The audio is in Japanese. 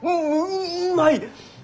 ううまい！